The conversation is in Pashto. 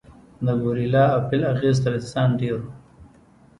د ګورېلا او فیل اغېز تر انسان ډېر و.